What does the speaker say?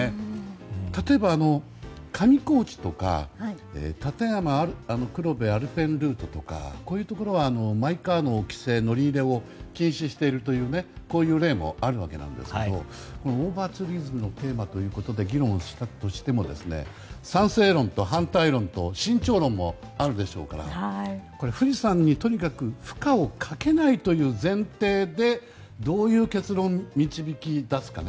例えば、上高地とか立山黒部アルペンルートとかこういうところはマイカーの規制乗り入れを禁止しているというこういう例もあるわけなんですけどオーバーツーリズムのテーマということで議論したとしても賛成論と反対論と慎重論もあるでしょうから富士山にとにかく負荷をかけないという前提でどういう結論を導き出すか。